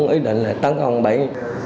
tôi đã quyết định là tán ông bảy